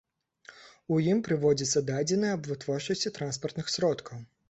У ім прыводзяцца дадзеныя аб вытворчасці транспартных сродкаў.